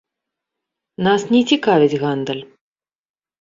Нас не цікавіць гандаль.